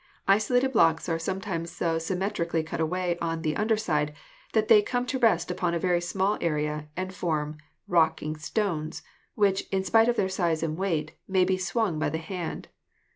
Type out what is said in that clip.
Isolated blocks are sometimes so symmetrically cut away on the under side that they come to rest upon a very small area and form rocking stones, which, in spite of their size and weight, may be swung by the hand.